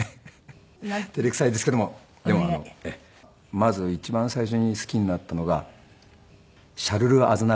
まず一番最初に好きになったのがシャルル・アズナヴールさん。